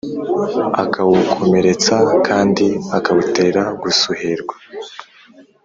akawukomeretsa, kandi akawutera gusuherwa;